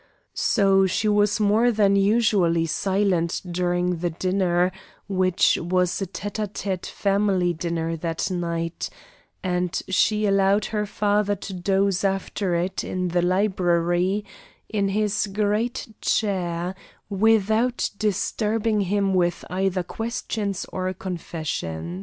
So she was more than usually silent during the dinner, which was a tete a tete family dinner that night, and she allowed her father to doze after it in the library in his great chair without disturbing him with either questions or confessions.